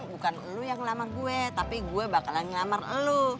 bukan lu yang ngelamar gue tapi gue bakalan ngelamar lu